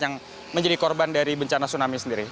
yang menjadi korban dari bencana tsunami sendiri